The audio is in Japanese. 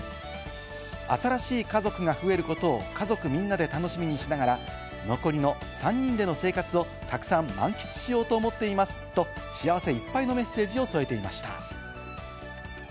新しい家族が増えることを家族みんなで楽しみにしながら、残りの３人での生活をたくさん満喫しようと思っていますと幸せいっぱいのメッセージを添えていました。